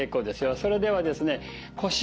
それではですね